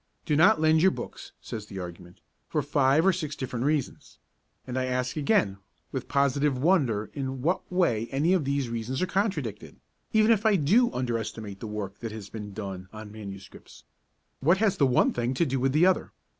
Do not lend your books, says the argument, for five or six different reasons; and I ask again with positive wonder in what way any of these reasons are contradicted, even if I do under estimate the work that has been done on MSS.? What has the one thing to do with the other?